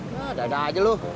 nah dada aja lu